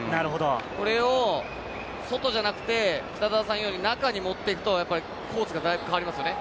これを外じゃなくて中に持っていくとコースがだいぶ変わりますよね。